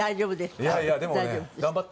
いやいやでもね頑張った！